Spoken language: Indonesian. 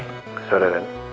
selamat sore ren